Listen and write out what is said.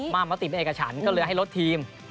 มติเป็นเอกฉันก็เลยให้ลดทีม